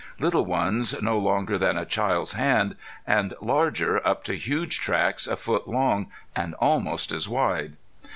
Little ones no longer than a child's hand, and larger, up to huge tracks a foot long and almost as wide.